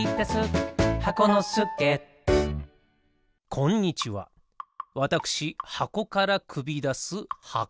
こんにちはわたくしはこからくびだす箱のすけ。